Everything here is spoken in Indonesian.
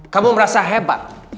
kamu merasa hebat